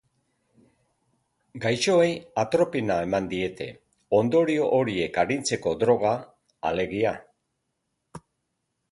Gaixoei atropina eman diete, ondorio horiek arintzeko droga, alegia.